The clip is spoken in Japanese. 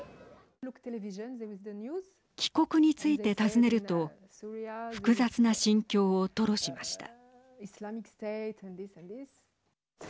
帰国について尋ねると複雑な心境を吐露しました。